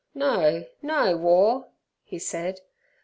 "No, no, War!" he said.